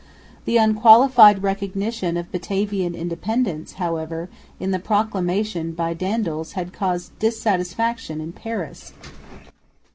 The unqualified recognition of Batavian independence, however, in the proclamation by Daendels had caused dissatisfaction in Paris.